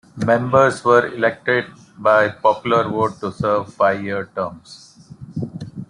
Members were elected by popular vote to serve five-year terms.